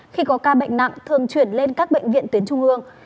khi có ca bệnh nặng thường chuyển lên các bệnh viện tuyến trung ương